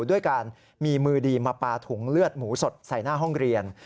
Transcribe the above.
ด้วยการมีมือดีมาปลาถุงเลือดหมูสดใส่หน้าห้องเรียน